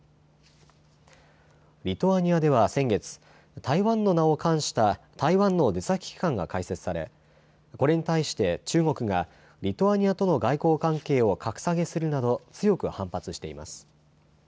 リトアニアでは先月、台湾の名を冠した台湾の出先機関が開設されこれに対して中国がリトアニアとの外交関係を格下げするなど強く反発しています。